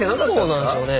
どうなんでしょうね。